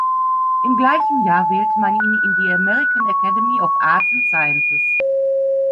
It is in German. Im gleichen Jahr wählte man ihn in die American Academy of Arts and Sciences.